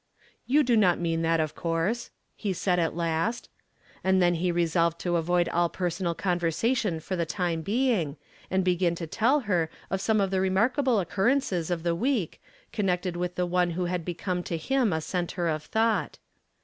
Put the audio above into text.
" You do not mean that, of course," he said at last. And then he resolved to avoid all pei sonal conversation for the time being, and began to tell her of some of the remarkable occurrences of the week, connected with the One who had become to nm a centre of thought.